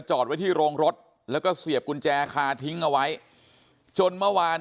จอดไว้ที่โรงรถแล้วก็เสียบกุญแจคาทิ้งเอาไว้จนเมื่อวาน